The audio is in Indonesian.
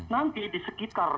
nanti di sekitar